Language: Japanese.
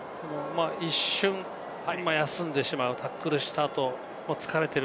一瞬休んでしまう、タックルした後、疲れている。